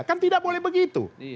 kan tidak boleh begitu